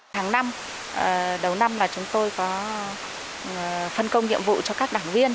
hàng năm đầu năm là chúng tôi có phân công nhiệm vụ cho các đảng viên